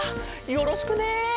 よろしくね。